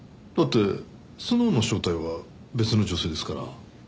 だってスノウの正体は別の女性ですから。